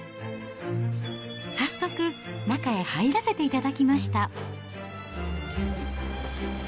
早速、中へ入らせていただきました。